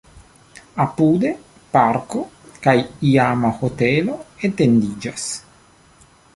Apude parko kaj iama hotelo etendiĝas.